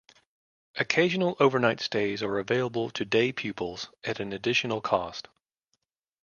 Occasional overnight stays are available to day pupils at an additional cost.